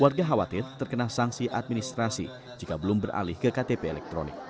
warga khawatir terkena sanksi administrasi jika belum beralih ke ktp elektronik